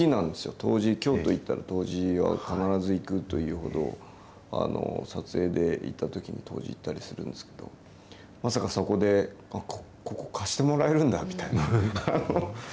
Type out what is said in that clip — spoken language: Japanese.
東寺、京都行ったら東寺は必ず行くというほど、撮影で行ったときに東寺行ったりするんですけど、まさかそこで、ここ、貸してもらえるんだみたいな。